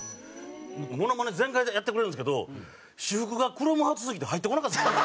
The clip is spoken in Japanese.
モノマネ全開でやってくれるんですけど私服がクロムハーツすぎて入ってこなかった。